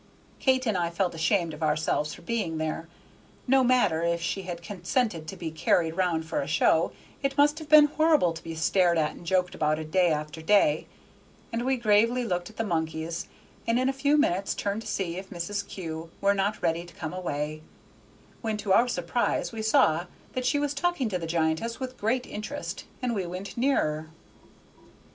Kate and I felt ashamed of ourselves for being there. No matter if she had consented to be carried round for a show, it must have been horrible to be stared at and joked about day after day; and we gravely looked at the monkeys, and in a few minutes turned to see if Mrs. Kew were not ready to come away, when to our surprise we saw that she was talking to the giantess with great interest, and we went nearer.